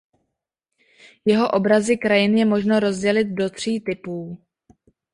Jeho obrazy krajin je možno rozdělit do tří typů.